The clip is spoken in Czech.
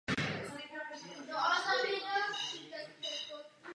Budova tehdy představovala nejmodernější objekt v rámci ostravských středních škol.